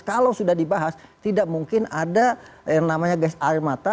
kalau sudah dibahas tidak mungkin ada yang namanya guys air mata itu masuk ke diri